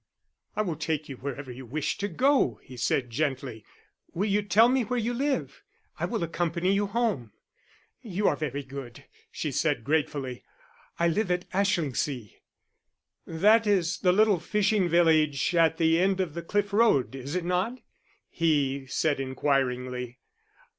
"I will take you wherever you wish to go," he said gently. "Will you tell me where you live? I will accompany you home." "You are very good," she said gratefully. "I live at Ashlingsea." "That is the little fishing village at the end of the cliff road, is it not?" he said inquiringly.